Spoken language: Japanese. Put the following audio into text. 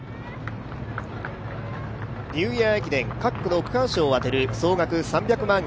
ニューイヤー駅伝各区の区間賞を当てる総額３００万円